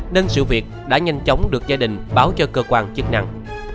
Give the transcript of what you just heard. nên sự việc đã nhanh chóng được gia đình báo cho cơ quan chức năng